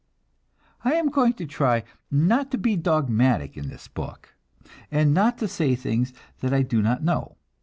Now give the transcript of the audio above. I am going to try not to be dogmatic in this book, and not to say things that I do not know.